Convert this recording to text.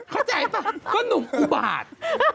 เข้าใจเปล่าก็หนูกูบาด